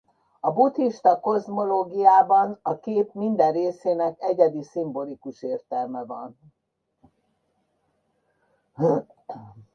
A buddhista kozmológiában a kép minden részének egyedi szimbolikus értelme van.